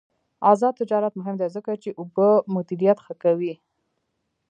آزاد تجارت مهم دی ځکه چې اوبه مدیریت ښه کوي.